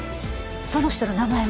その人の名前は？